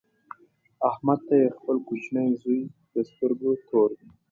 احمد ته یې خپل کوچنۍ زوی د سترګو تور دی.